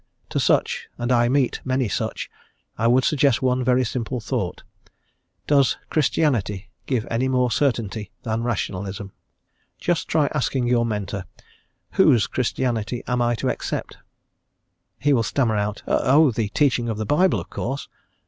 To such and I meet many such I would suggest one very simple thought: does "Christianity" give any more certainty than rationalism? Just try asking your mentor, "whose Christianity am I to accept?" He will stammer out, "Oh, the teaching of the Bible, of course."